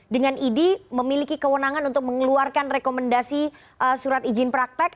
dengan idi memiliki kewenangan untuk mengeluarkan rekomendasi surat izin praktek